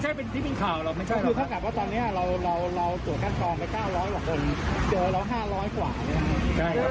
ใช่ครับประมาณห้าร้อยกว่านี้ก็คือคนที่มีชีวโควิด